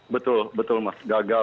betul betul mas gagal